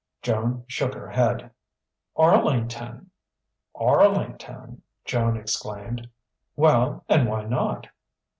Joan shook her head. "Arlington!" "Arlington!" Joan exclaimed. "Well, and why not?"